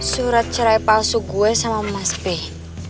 surat cerai palsu gue sama mas be